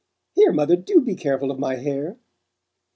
Here, mother, do be careful of my hair!"